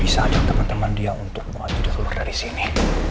dia bisa ajak teman teman dia untuk muat jadwal dari sini